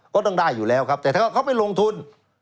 ก็ต้องได้อยู่แล้วครับแต่ถ้าเขาไปลงทุน